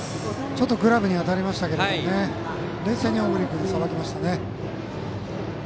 グラブに当たりましたが冷静に小栗君、さばきましたね。